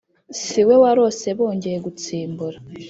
si we warose bongeye gutsimbura.